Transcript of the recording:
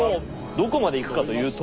どこまでいくかというと。